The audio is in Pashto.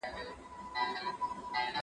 چي ژړل به یې ویلې به یې ساندي